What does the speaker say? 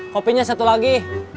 kopinya satu lagi